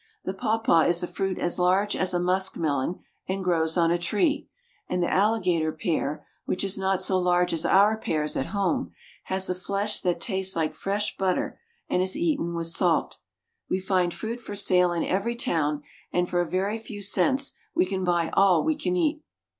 The papaw is a fruit as large as a muskmelon and grows on a tree, and the alligator pear, which is not so large as our pears at home, has a flesh that tastes Hke fresh butter, and is eaten with salt. We find fruit for sale in every town, and for a very few cents we can buy all we can eat.